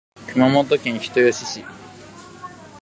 熊本県人吉市